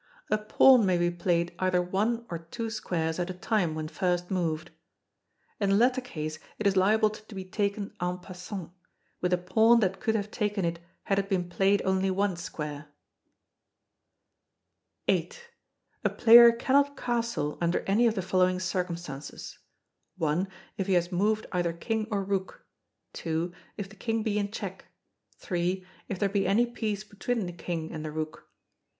A pawn may be played either one or two squares at a time when first moved. [In the latter case it is liable to be taken en passant, with a pawn that could have taken it had it been played only one square.] viii. A player cannot castle under any of the following circumstances: 1. If he has moved either King or Rook. 2. If the King be in check. 3. If there be any piece between the King and the Rook. 4.